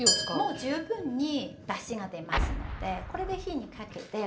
もう十分にだしが出ますのでこれで火にかけて５分ぐらい煮ましょう。